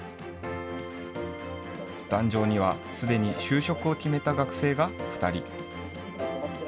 壇上には、すでに就職を決めた学生が２人。